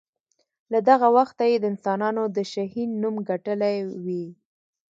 له دغه وخته یې د انسانانو د شهین نوم ګټلی وي.